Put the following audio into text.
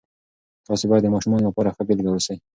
تاسې باید د ماشومانو لپاره ښه بیلګه اوسئ.